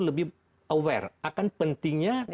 lebih aware akan pentingnya